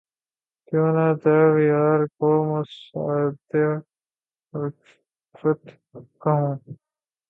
کیوں نہ تیغ یار کو مشاطۂ الفت کہوں